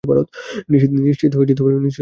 নিশ্চিত এটা তুমিই।